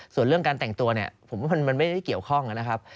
ส่วนเรื่องการแต่งตัวเนี่ยผมว่ามันไม่ได้เกี่ยวข้องนะครับ